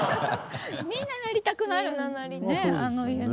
みんななりたくなるんですね